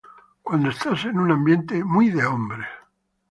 cuando estás en un ambiente “muy de hombres”